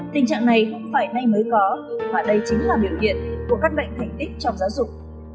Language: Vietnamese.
tình trạng này phải may mới có và đây chính là biểu hiện của các bệnh thành tích trong giáo dục